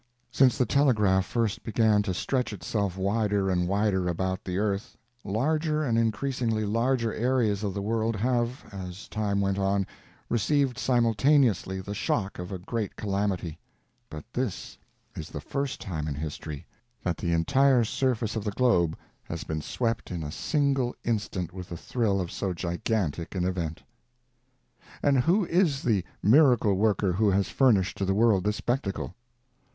Since the telegraph first began to stretch itself wider and wider about the earth, larger and increasingly larger areas of the world have, as time went on, received simultaneously the shock of a great calamity; but this is the first time in history that the entire surface of the globe has been swept in a single instant with the thrill of so gigantic an event. And who is the miracle worker who has furnished to the world this spectacle?